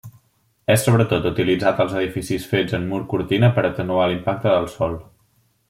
És sobretot utilitzat als edificis fets en mur cortina per atenuar l'impacte del sol.